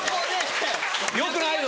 よくないよ！